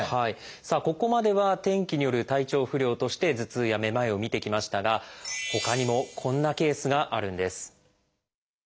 さあここまでは天気による体調不良として頭痛やめまいを見てきましたがほかにもこんなケースがあるんです。